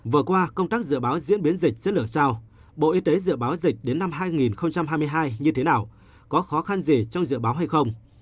vừa qua công tác dự báo diễn biến dịch chất lượng sao bộ y tế dự báo dịch đến năm hai nghìn hai mươi hai như thế nào có khó khăn gì trong dự báo hay không